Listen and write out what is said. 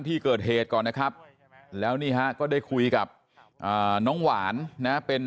ที่เกิดเหตุก่อนนะครับแล้วนี่ฮะก็ได้คุยกับน้องหวานนะเป็น